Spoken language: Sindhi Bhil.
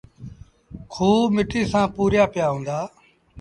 کوه مٽيٚ سآݩ پُوريآ پيآ هُݩدآ۔